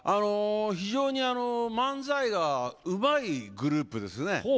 非常に、漫才がうまいグループですね。